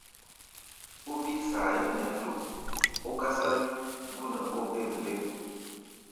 Ó bíí saayé nɛɛ́ do, ó gásáwí gú nɛ ó bêm lɛ́ŋ.